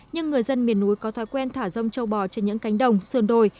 nhưng người dân miền núi có thói quen thả rông châu bò trên những cánh đồng sườn đồi